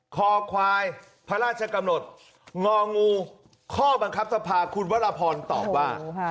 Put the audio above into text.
คอควายพระราชกำหนดงองูข้อบังคับสภาคุณวรพรตอบว่า